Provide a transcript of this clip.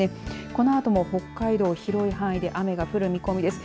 このあとも北海道、広い範囲で雨が降る見込みです。